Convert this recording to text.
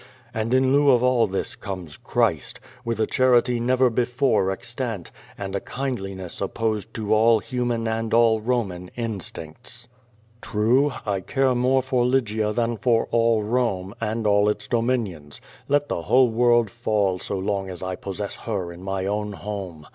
And in lieu of all this comes Christ, with a charity never be fore extant, and a kindliness opposed to all human and all Roman instincts. True, I care niore for Lygia than for all Rome, and all its dominions. Let the whole world fall so long as I possess her in my own home!